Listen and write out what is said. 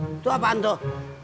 itu apaan tuh